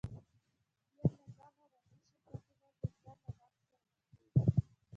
ډېری له ځانه راضي شرکتونه ډېر ژر له ماتې سره مخ کیږي.